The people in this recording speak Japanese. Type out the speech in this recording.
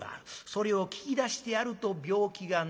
それを聞き出してやると病気が治る。